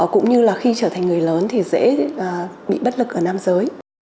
cũng như là khi trở thành người lớn thì dễ bị bất lực ở nam giới